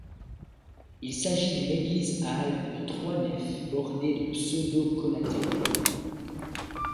Il s'agit d'une église-halle de trois nefs bordées de pseudo collatéraux.